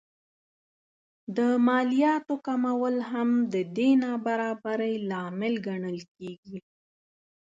د مالیاتو کمول هم د دې نابرابرۍ لامل ګڼل کېږي